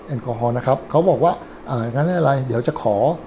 แอลกอฮอล์นะครับเขาบอกว่าอ่าอย่างนั้นอะไรเดี๋ยวจะขอ